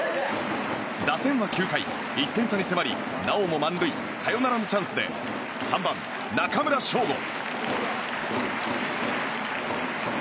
打線は９回、１点差に迫りなおも満塁サヨナラのチャンスで３番、中村奨吾。